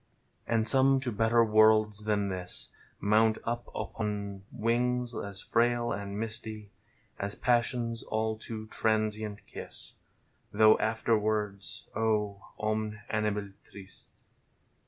And some to better worlds than this Mount up on wings as frail and misty As passion's all too transient kiss (Though afterwards — oh, cm«/ animal trist